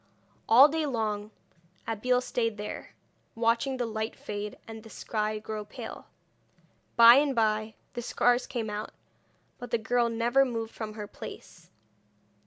All day long Abeille stayed there, watching the light fade, and the sky grow pale. By and by the stars came out, but the girl never moved from her place.